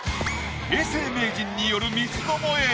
永世名人による三つどもえ。